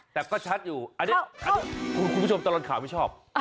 แต่ก็ชัดอยู่อันนี้คุณผู้ชมตลอดข่าวไม่ชอบ